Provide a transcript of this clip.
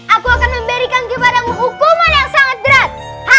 aku akan memberikan hukuman yang sangat berat